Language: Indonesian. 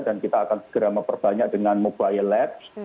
dan kita akan segera memperbanyak dengan mobile lab